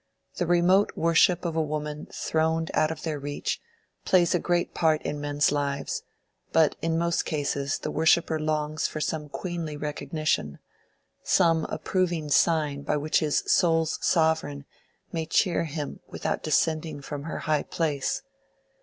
The remote worship of a woman throned out of their reach plays a great part in men's lives, but in most cases the worshipper longs for some queenly recognition, some approving sign by which his soul's sovereign may cheer him without descending from her high place.